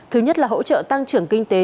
thứ nhất là hỗ trợ tăng trưởng kinh tế